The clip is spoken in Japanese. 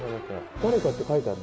「誰かって書いてあるの？」